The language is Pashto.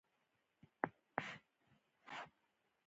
دې پوښتنې ته له ځواب ویلو جغرافیوي عوامل عاجز دي.